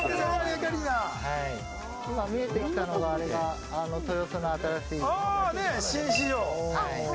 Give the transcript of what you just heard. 見えてきたのが豊洲の新しい。